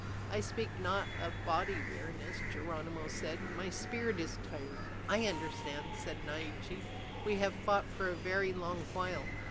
"I speak not of body weariness," Geronimo said. "My spirit is tired." "I understand," said Naiche. "We have fought for a very long while.